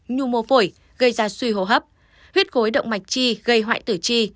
nhu mô phổi gây ra suy hô hấp huyết gối động mạch chi gây hoại tử chi